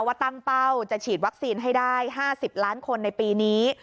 ว่าตั้งเป้าจะฉีดวัคซีนให้ได้๕๐ล้านคนในปีนี้